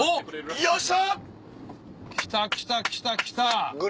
きたきたきたきたきた！